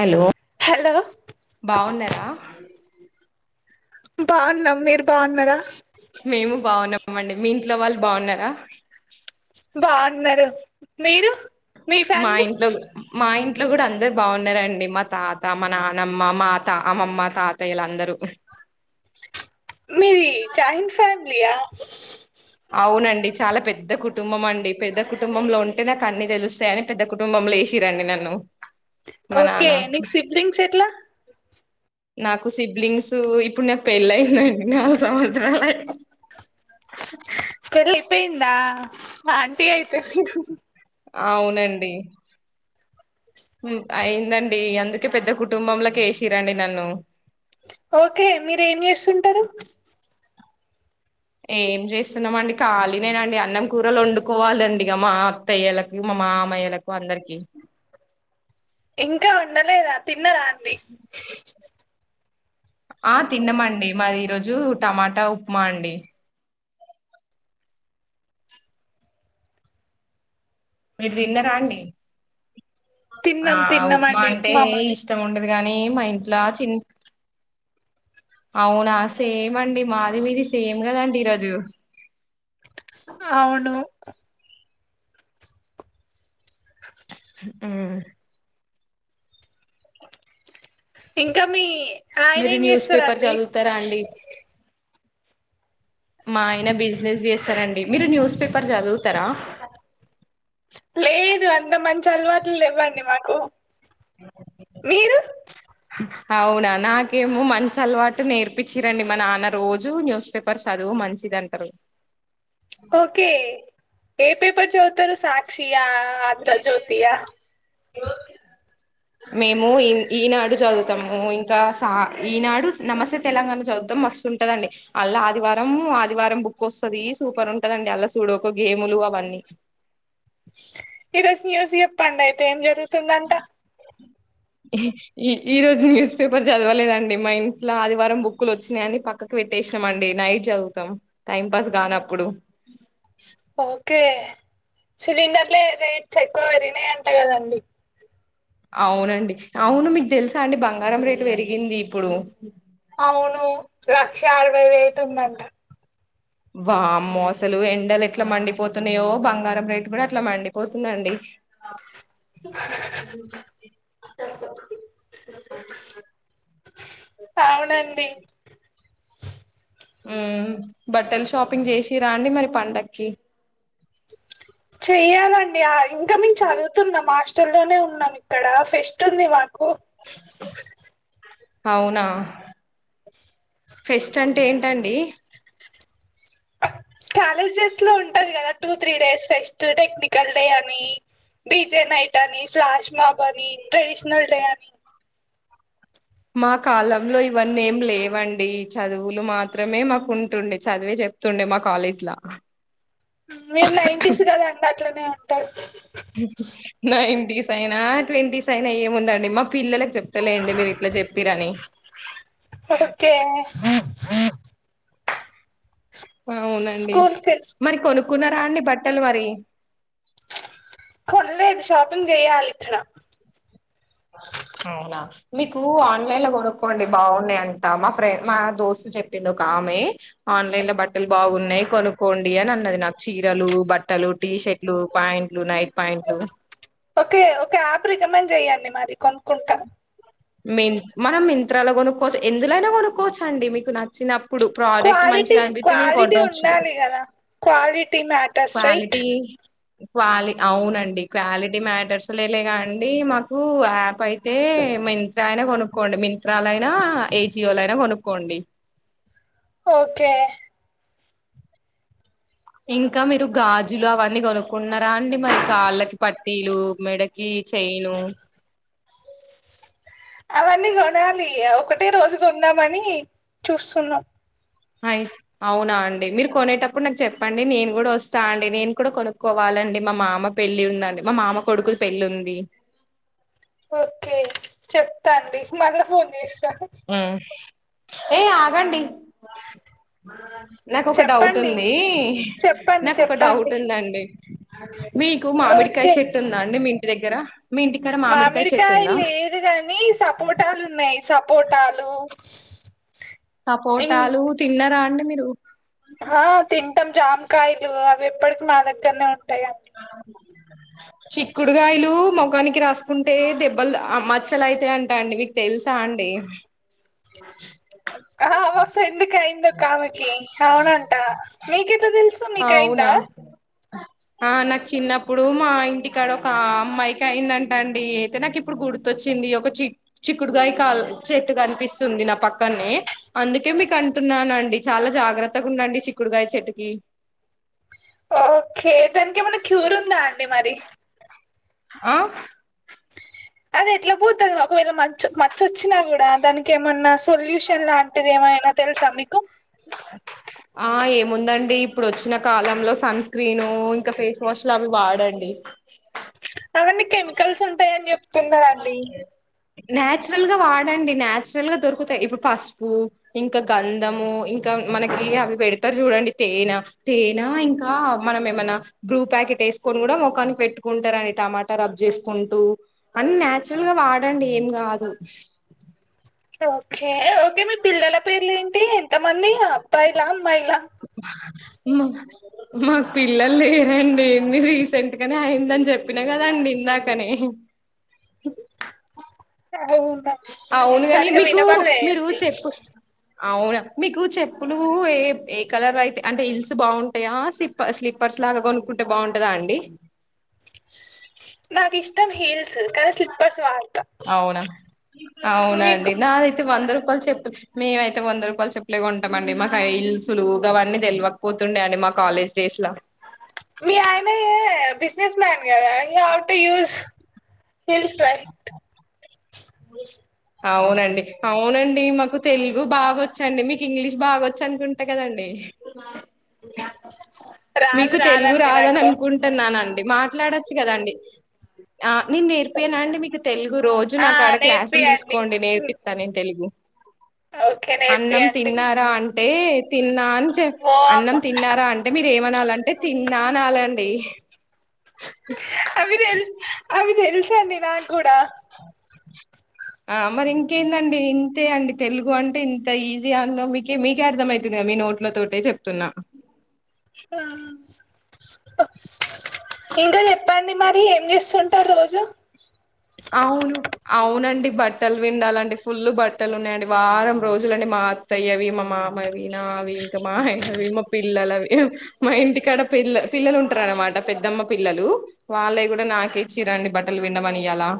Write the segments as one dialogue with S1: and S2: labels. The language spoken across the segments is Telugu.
S1: హలో
S2: హలో
S1: బాగున్నారా
S2: బాగున్నాం మీరు బాగున్నారా
S1: మేము బాగున్నాంమండి మీ ఇంట్లో వాళ్ళు బాగున్నారా
S2: బాగున్నారు మీరు మీ
S1: మా
S2: ఫ్యామిలీ
S1: ఇంట్లో మా ఇంట్ ఇంట్లో కూడా అందరు బాగున్నారండి మా తాత మా నానమ్మ మా తా అమ్మమ్మ తాతయ్యలు అందరూ
S2: మీది జాయింట్ ఫ్యామిలీయా [inaudible]
S1: అవునండి చాలా పెద్ద కుటుంబం అండి పెద్ద కుటుంబంలో ఉంటే నాకు అన్ని తెలుస్తాయ అని పెద్ద కుటుంబంలో వేసిరండి నన్ను మా
S2: ఓకే
S1: నాన్న
S2: నీకు సిబ్లింగ్స్ ఎట్లా
S1: నాకు సిబ్లింగ్స్ ఇప్పుడు నాకు పెళ్ళయిందండి నాలుగు సంవత్సరాలు అయి [inaudible]
S2: పెళ్ళి అపేయింద ఆంటీ అయితే
S1: అవునండి హ్మ్ అయిందండి అందుకే పెద్ద కుటుంబంలకి యేశిర్రండి నన్ను
S2: ఓకే మీరు ఏం చేస్తుంటారు
S1: ఏం చేస్తున్నామండి ఖాళీనేనండి అన్నం కూరలు వండుకోవాలండిగ మా అత్తయ్యలకు మా మామయ్యలకు అందరికి
S2: ఇంకా వండలేదా తిన్నరా అండి
S1: ఆ తిన్నామండి మారి ఈరోోజు టమాటా ఉప్మా అండి మీరు తిన్నరా అండి ఆ
S2: తిన్నాం
S1: ఉప్మా
S2: తిన్నామండి
S1: అంటే
S2: మాది
S1: ఇష్టం ఉండది కానీ మా ఇంట్లా చి అవునా సేమ్ అండి మాది మీది సేమ్ కదండి ఈరోజు
S2: అవును [inaudible] [inaudible]
S1: ఆ
S2: ఇంకా మీ ఆయన
S1: మీరు
S2: ఏం
S1: న్యూస్ పేపర్
S2: చేస్తారండి
S1: చదువుతారా అండి మా ఆయన బిజినెస్ చేస్తరండి మీరు న్యూస్ పేపర్ చదువు
S2: లేదు అ అంత మంచి అలవాట్లు లెవ్వండి మాకు మీరు
S1: అవునా నాకేమో మంచి అలవాటు నేర్పిచ్చిరండి మా నాన్న రోజు న్యూస్ పేపర్ చదువు మంచిదంటరు.
S2: ఒకే ఏ పేపర్ చదుతారు సాక్షియా
S1: ఏమైనా
S2: ఆంధ్రజ్యోతియా
S1: చేయని జోక్స్ మేము ఈ ఈనాడు చదువుతాము, ఇంకా సా ఈనాడు, నమస్తే తెలంగాణ చదువుతాం మస్తు ఉంటదండి, అల్లా ఆదివారం ఆదివారం బుక్ వస్తుంది సూపర్ ఉంటదండి అల్లా సూడొకొ గేములు అవన్నీ
S2: ఈరోజు న్యూస్ చెప్ ప్పండి అయితే ఏం జరుగుతుందంట.
S1: ఈ ఈ రోజు న్యూస్ పేపర్ చదవలేదండి, మా ఇంట్లో ఆదివారం బుక్లు వచ్చినాయని పక్కకు పెట్టేసినామండి. నైట్ చదువుతాం టైం పాస్ కానప్పుడు.
S2: ఓకే సిలిండర్లే రేట్స్ ఎక్కువ పెరిగినయి అంట కదండి.
S1: అవునండి అవును మీకు తెలుసా అండి బంగారం రేటు పెరిగింది ఇప్పుడు.
S2: అవును లక్ష అరవై వే రేట్ ఉందంట.
S1: వామ్మో అసలు ఎండలు ఎట్లా మండిపోతున్నాయో బంగారం రేటు కూడా అట్లా మండిపోతుందండి. ఉ
S2: అవునండి.
S1: ఉ బట్టలు షాపింగ్ చేసిరాండి మరి పండక్కి.
S2: చెయాలం డి ఆ ఇంకా మేం చదువుతున్నం హా స్టల్ లోనే ఉన్నాం ఇక్కడ ఫెస్ట్ ఉంది మాకు.
S1: అవునా ఫెస్ట్ అంటే ఏంటండి.
S2: కాలేజెస్ లో ఉంటంది కదా two three days fest technical day అని, డీజే నైట్ అని, ఫ్లాష్ మాబ్ అని ట్రెడిషనల్ డే అని.
S1: మా కాలంలో ఇవన్నీ ఏం లేవండి. చదువులు మాత్రమే మాకు ఉంటుండే చదివే చెప్తుండే మా కాలేజీలా.
S2: మీరు నైంటీస్ కదా అండి అట్లనే ఉం టది
S1: హు నైంటీస్ సైన ట్వంటీస్ అయినా ఏముందండి మా పిల్లలకు చె ప్తా లేండి మీరు ఇట్లా చెప్పిరని.
S2: ఓకే
S1: అవునండి
S2: స్కూల్ కి
S1: మరి కొను కున్నరాండి బట్టలు మరి
S2: ఆ లేదు షాపింగ్ చేయ్యాలి ఇక్కడ.
S1: అవునా మీకు ఆన్లైన్ లో కొనుక్కోండి బాగున్నాయి అంట మా ఫ్రెం మా దోస్తు చెప్పింది ఒకామె ఆన్లైన్ లో బట్టలు బాగున్నాయి కొనుక్కోండి అని అన్నది. నాకు చీరలు, బట్టలు, టీషర్ట్లు, ప్యాంట్లు, నైట్ పాయింట్లు
S2: ఓకే ఓకే ఆప్రీ రికమెండ్ చెయ్యండి మరి కొనుక్కుంటాం
S1: మిం మనం మింతాల కొనుక్కోవచ్చు ఎందులోైనా కొనుక్కోవచ్చ అండి మీకు నచ్చిన
S2: క్వాలిటీ క్వాలిటీ ఉండాలి కదా క్వాలిటీ మ్యా
S1: క్వాలిటీ క్వాలి అవు ఆవునండి క్వాలిటీ మ్యాటర్స్లే లేగా అండి మాకు యాప్ అయి తే మింత్రా నే కొను క్కోండి మింతాలైనా ఏజియో లో యినా కొనుక్కోండి
S2: ఓకే
S1: ఇంకా మీరు గాజులు అవన్నీ కొనుక్కుంట్నారా అండి మరి కాళ్ళకి పట్టీలు మెడకి చేను
S2: అవన్నీ కొనాలి ఒకటే రోజు కొందామని చూస్తున్నాం.
S1: అయి అవునా అండి మీరు కొనేటప్పుడు నాకు చెప్పండి నేను కూడా వస్తా అండి నేను కూడా కొనుక్కోవాలండి మా మామ పెళ్ళి ఉందండి మా మామ కొడుకుది పెళ్లి ఉంది.
S2: ఓకే చెప్తాండి మల ఫోన్ చేస్త
S1: ఏ ఆగండి నాకు ఒక డౌట్
S2: చెప్పండి
S1: ఉంది
S2: చెప్పండి
S1: నాకుొ ఒక డౌట్
S2: చెప్పండి
S1: ఉందండి మీకు మామిడికాయ
S2: ఓకే
S1: చెట్టు ఉందాండి మీ మీ దగ్గర మీ ఇంటికాడ చెట్టు
S2: మామిడికాయ
S1: ఉందా
S2: లేదు కాని సపోటాలు ఉన్నాయి సపో.. పోోటలు
S1: సపోటాలు తిన్నరాా అండి మీ రూ
S2: ఆ తింటాం జామ్కాయలు అవి ఎప్పటికి మాదగనే ఉంట్
S1: [unintelligible] [inaudible] చిక్కుడుగాయలు మొఖనికి రాసుకుంటే దెబ్బలు మచ్చలయితే అంటా అండి మీకు తెలుసా అండి.
S2: ఎందుకుయిందో కామెకి అవునంట మీకెట తెలుస్ తెసు మీ కయందా
S1: అవునా ఆ నాకు చిన్నప్పుడు మా ఇంటికాడ ఒక అమ్మాయికి అయిందంట అం. డి అయితే నాకు ఇప్పుడు గుర్తొచ్చింది ఒక చిక్ చిక్కుడుగాయ క చెట్టు కనిపిస్తుంది నా పక్కనే! అందుకే మీకు అంటున్నానండి చాలా జాగ్రత్తగా ఉండండి చిక్కుడుగాయ చెట్టుకి
S2: ఒక దానికి ఏమన్నా క్యూర ఉందా అండి మరి
S1: ఆ
S2: అది ఎట్లా పోతుంది ఒకవేళ మ మచిొచ్చినా కూడా దానికి ఏమన్నా సొల్యూషన్ లాంటిది ఏమైనా తెలుసా మీకు?
S1: ఆ ఏముందండి ఇప్పుడు వచ్చ చిన్న కాలంలో సన్ స్క్రీను ఇంకా ఫేస్ వాష్ లు అవి వాడండి
S2: [unintelligible] అవన్నీ కెమికల్స్ ఉంటాయ అని చెప్తున్నండి
S1: నాచురల్ గా వాడండి నాచురల్ గా దొరుకుతాయి ఇప్పుడు పసుపు ఇంకా గంధము ఇంకా మనకి అవి పెడతారు చూడండి తేనె తేనా ఇంకా మనం ఏమైనా బ్రూ ప్యాకెట్ వేసుకొని కూడా మఖానికి పెట్టుకుంటారండి టమాటా రబ్ చేసుకుంటూ అన్ని నచురల్ గా వాడండి ఏం కాదు
S2: ఓకే ఓకే మీ పిల్లల పేర్లు ఏంటి మంది అబ్బాయిలా అమ్మాయిల
S1: మా మాకు పిల్లలు లేరండి ఎన్ని రీసెంట్ గానే అయిందని చెప్పినా కదండి ఇందాకనే
S2: అవునా నాకు
S1: అవునుగాని
S2: సరిగా
S1: మీకు
S2: వినబడలే
S1: మీరు
S2: అండి
S1: చెప్పు అవునా మీకు చెప్పులు ఏ ఏ కలర్ అయితే అంటే హిల్స్ బాగుంటాయా స్ప్ప స్లీప్పర్స్ లాగా కొనుక్కుంటే బాగుంటందా అండి
S2: నాకు ఇష్టం హిల్స్ కానీ స్లిప్పర్స్ వాలి
S1: అవునా అవునా అండి
S2: మీకు
S1: నాదైతే వందరు రూపాయలు చెప్పుల్ మేముయితే వంద రూపాయలు చెప్పలే కొంటాం అండి మాకు హిల్స్లుగా అవన్నీ తెలివకపోతుండే అండి మా కాలేజ్ డేస్ లో
S2: మీ ఆయన ఏ బిజినస్ మ్యాన్ గద [unintelligible] యూస్ హిల్ స్లైట్ మీ
S1: అవునండి అవునండి మాకు తెలుగు బాగొచ్చండి మీకు ఇంగ్లీష్ బాగొచ్చ అనుకుంటా కద అండి
S2: రాదు
S1: మీకు తెలుగు
S2: రాదండి
S1: రాదని
S2: నాకు
S1: అనుకుంటున్నాను మాట్లాడొచ్చు కదండి ఆ నేను నేర్పోయాన అని మీకు తెలుగు రోజు
S2: ఆ
S1: నా కడ క్లాసులు తీసుకు
S2: నేర్పియండి
S1: కోండి
S2: ఉమ్,
S1: నేర్పిస్తా నేను తెలుగు
S2: ఓకే
S1: అన్నం
S2: నేర్పియండి
S1: తిన్నారా అ [unintelligible] తిన్ అ
S2: ఓ
S1: అన్నం
S2: అమ్మ
S1: తిన్నారా అంటే మీరు ఏమనాలంటే తిన్నా అనలండి
S2: అవితెల్ అవితెల్ నాకు కూడా
S1: ఆ మరి ఇంకేందండి ఇంతే అండి తెలుగు అంటే ఇంత ఈజీ అ మీకే మీకే అర్థం అయితుంది కదా మీ నోట్ల తోటే చెప్తున్నా
S2: ఉమ్, ఇంకా చెప్పండి మరి ఏం చేస్తుంటారు రోజు
S1: అవును అవునండి బట్టలు విండాలండి ఫుల్ బట్టలు ఉన్నాయండి వారం రోజులు అండి మా అత్తయ్యవి మా మామవి నావి ఇంకా మా ఆయన అవి మా పిల్లలవి మా ఇంటికాడ పిల్ల పిల్లలు ఉంటారు అనమాట పెద్దమ్మ పిల్లలు వాళ్ళే కూడా నాక ఇచ్చిరండి బట్టలు విండమని ఇలా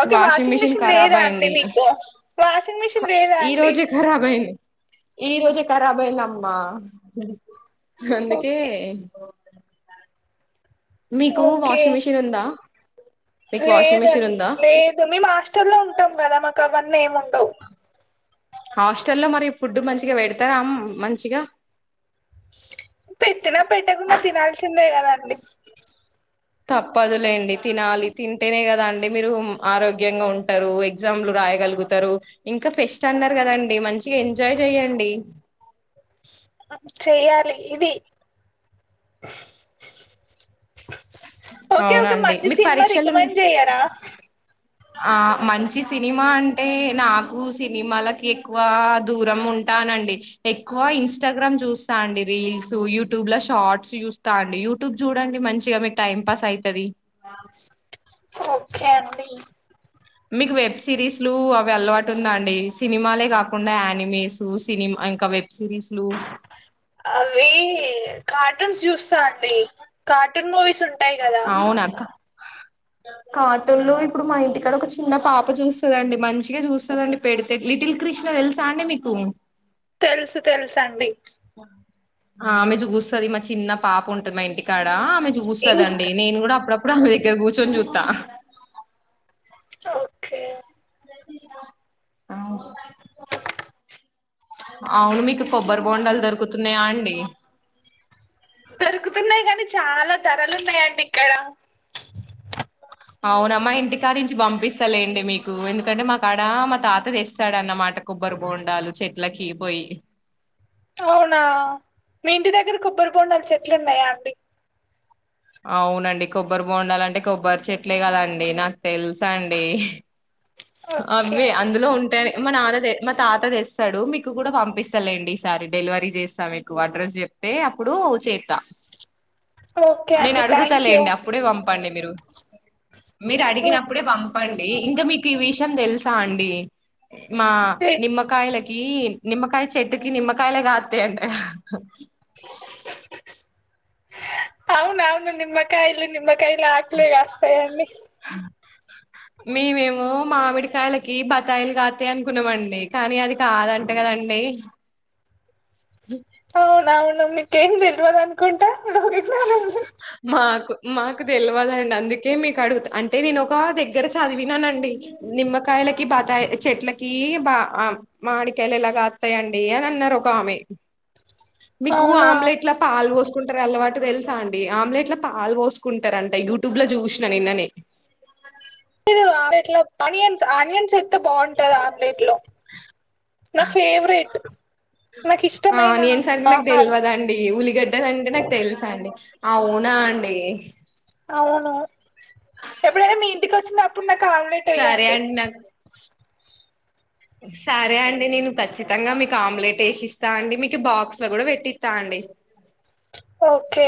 S2: ఓకే వాషింగ్ మిషిన్
S1: ఖరాబ్
S2: లేదా అండి
S1: అయింది
S2: మీకు వాషింగ్ మిషన్ లేదా అండి
S1: ఈ రోజే ఖరాబ్ అయింది అమ్మా అందుకే
S2: ఓకే
S1: మీకు
S2: ఓకే
S1: వాషింగ్ మిషిన్ ఉందా మీకు వాషింగ్ మిషిన్
S2: లేదండి
S1: ఉందా
S2: లేదు మేం హస్టల్ లో ఉంటాం కదా మాక్ కవన్నీ ఏం ఉండవు
S1: హాస్టల్లో మరి ఫుడ్ మంచిగా పెడతారా మంచిగా
S2: పెట్టినా పెట్టకుండా తినాల్సిందే కద అండి
S1: తప్పదులేండి తినాలి. తింటేనే కదా అండి మీరు ఆరోగ్యంగా ఉంటారు. ఎగ్జామ్లు రాయగలుగుతారు ఇంకా ఫెస్ట్ అన్నారు కదం డి మంచిగా ఎంజాయ్ చెయండి
S2: చెయ్యాలి ఇది ఓకే ఓకే
S1: అవునండి
S2: మంచి
S1: మీకు
S2: సినిమా
S1: పరీక్షలు ఉన్నాయి
S2: రికమెండ్ చెయ్యారా
S1: ఆ మంచి సినిమా అం టే నాకు సినిమాలకి ఎక్కువ దూరం ఉంటానండి. ఎక్కువ ఇన్స్టాగ్రామ్ చూస్తా అండి. రీల్స్ యూట్యూబ్ లో షార్ట్స్ చూస్తా అండి. యూట్యూబ్ చూడండి మంచిగా మీకు టైం పాస్ అయితది.
S2: ఓకే అండి
S1: మీకు వెబ్ సిరీస్లు అవి వెలవాటు ఉందా అండి సినిమాలే కాకుండా యానిమేస్ సినిమా ఇంకా వెబ్ సిరీస్లు
S2: అవి కార్టూన్స్ జూస్తా అం డి కార్టూన్ మూవీస్ ఉంటాయి కదా
S1: అవునక్క కార్టూన్లు ఇప్పుడు మా ఇంటికాడ ఒక చిన్న పాప చూస్తదండి. మంచిగా చూస్తదండి పెడితే లిటిల్ కృష్ణ తెలుసా అండి. మీకు
S2: తెలుసు తెలుసు అండి
S1: అమె జస్సది మా చిన్నా పాప ఉంటది. మా ఇంటికాడ ఆమె జుస్తదండి
S2: ఇంకా
S1: నేను కూడా అప్పుడప్పుడ్ ప్పుడు ఇక్కడ కూర్చొని జూత్త
S2: ఓకే
S1: అవును మీకు కొబ్బరి బొండాలు దొరుకుతున్నాయా అండి
S2: దొరుకుతున్నాయి కానీ చాలా ధరలున్నాయండి ఇక్కడ
S1: అవునమ్మా ఇంటి కానించి పంపిస్తలేండి. మీకు ఎందుకంటే మా కాడ మా తాత తెస్తాడన్నమాట కొబ్బరి బోండాలు చెట్లకి పోయి
S2: అవునా మీ ఇంటి దగ్గర కొబ్బరి బొండాలు చెట్లున్నాయా అండి
S1: అవునండి కొబ్బరి బొండాలంటే కొబ్బరి చెట్లే కదండి నాకు తెలుసండి.
S2: ఓకే
S1: అవి అందులో ఉంటాయి మా నాన్న మా తాత తెస్తాడు మీకు కూడా పంపిస్తలేండి ఈసారి డెలివరీ చేస్తా మీకు అడ్రస్ చెప్తే అప్పుడు చెత్తా
S2: ఓకే
S1: నేను
S2: అండి
S1: అడుగుతా
S2: థ్యాంక్ యూ
S1: లేండి
S2: అండి.
S1: అప్పుడే పంపండి. మీరు మీరు అడిగినప్పుడే
S2: ఓకే
S1: పంపండీ ఇంక మీక్ ఈ విషయం తెలుసా అండి మా నిమ్మ కయల ఏ టి నిమ్మకాయ చెట్టుకి నిమ్మకాయలే కాత్తాయి అంట
S2: అవును అవును నిమ్మ కయలు నిమ్మ కాయలే కాస్తాయి అండి
S1: మేమేమో మామిడికాయలకి బత్తాయిలు కాస్తాయ అనుకున్నామండి కానీ అది కాదంట కదండి
S2: అవునవును నీకేం తెల్వదు అనుకుంటా [inaudible]
S1: మాకు మాకు తెలియవదండి అందుకే మీకు అడుగుత అంటే నేను ఒక దగ్గర చదివినానండి నిమ్మకాయలకి బతాయి చెట్లకి బా ఆ మాడికాయలు ఎలా కాస్తాయండి అని అన్నారు ఒక ఆమె మీకు
S2: అవునా
S1: ఆమ్లెట్ల పాలు పోస్కో కుంటారు అలవాటు తెలు టా అండి ఆమ్లెట్ లో పాలు పోసుకుంటరంట యూట్యూబ్లో చూసిన నిన్ననే
S2: ఇట్లో అనిన్స్ అనియన్స్ ఎంత బాగుంటుంది ఆమ్లెట్లో నా ఫేవరెట్ నాకు ఇష్టమైన
S1: ఆనియన్స్ అంటే నాకు
S2: ఆహారం
S1: తెల్వదండి ఉల్లిగడ్డలు అంటే నాకు తెలుసా అండి అవునా అండి
S2: అవును ఎప్పుడైనా మీ ఇంటికి వచ్చినప్ పునక్ కమ్లెట్
S1: సరే
S2: ఎయ్యండి
S1: అండి నాకు సరే అండి నేను ఖచ్చితంగా మీకు ఆమ్లెట్ ఏసిస్తా అండి మీకు బాక్స్లో కూడా పెట్టిస్తా అండి
S2: ఓకే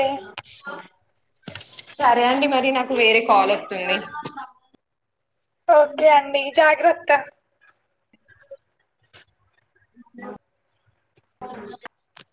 S1: సరే అండి మరి నాకు వేరే కాల్ వచ్ ఉంది
S2: ఓకే అండి జాగ్రత్ త
S1: అ [inaudible]